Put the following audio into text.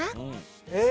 えっ！